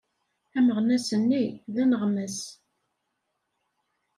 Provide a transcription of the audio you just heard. Ameɣnas-nni d aneɣmas.